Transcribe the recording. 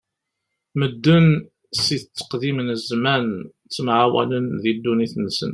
Medden si tteqdim n zzman ttemɛawanen di ddunit-nsen.